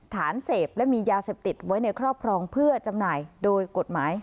ฐานเสพและมียาเสพติดไว้ในครอบครองเพื่อจำหน่ายโดยกฎหมาย